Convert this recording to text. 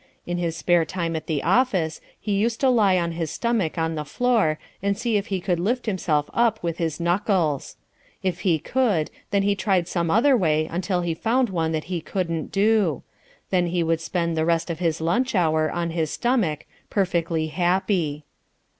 In his spare time at the office, he used to lie on his stomach on the floor and see if he could lift himself up with his knuckles. If he could, then he tried some other way until he found one that he couldn't do. Then he would spend the rest of his lunch hour on his stomach, perfectly happy.